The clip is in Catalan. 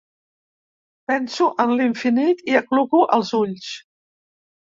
Penso en l'infinit i acluco els ulls.